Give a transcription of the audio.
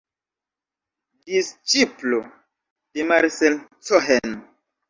Disĉiplo de Marcel Cohen.